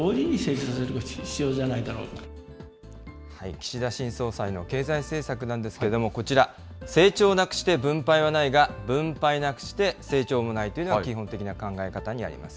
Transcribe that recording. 岸田新総裁の経済政策なんですけれども、こちら、成長なくして分配はないが、分配なくして成長もないというのが基本的な考え方になります。